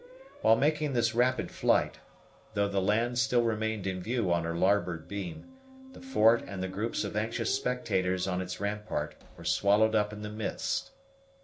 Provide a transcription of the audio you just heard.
While making this rapid flight, though the land still remained in view on her larboard beam, the fort and the groups of anxious spectators on its rampart were swallowed up in the mist.